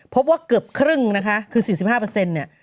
พบว่าเกือบครึ่งนะคะคือ๔๕เนี่ย